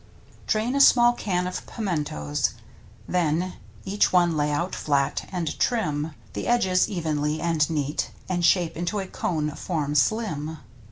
Drain a small can of Pimentoes, Then each one lay out flat, and trim The edges evenly and neat. And shape into a cone form slim.